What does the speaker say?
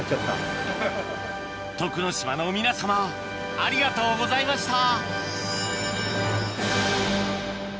徳之島の皆様ありがとうございました